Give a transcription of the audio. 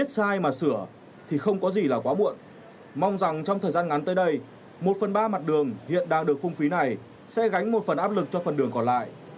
sẽ gánh một phần áp lực cho phần đường còn lại